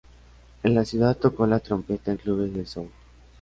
En la ciudad tocó la trompeta en clubes de soul.